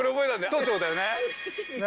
都庁だよね。